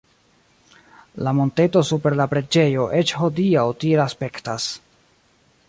La monteto super la preĝejo eĉ hodiaŭ tiel aspektas.